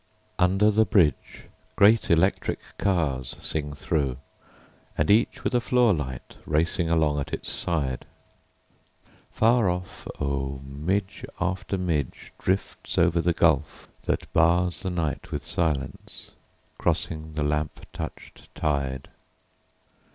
Under the bridgeGreat electric carsSing through, and each with a floor light racing along at its side. Far off, oh, midge after midgeDrifts over the gulf that barsThe night with silence, crossing the lamp touched tide.